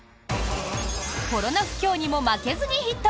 コロナ不況にも負けずにヒット！